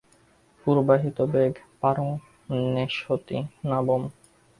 পূর্বাহিতো বেগ পারং নেষ্যতি নাবম্।